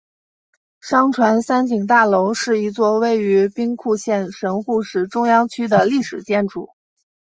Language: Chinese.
商船三井大楼是一座位于兵库县神户市中央区的历史建筑。